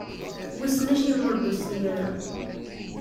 Wissen acimi ur d-tusi ara?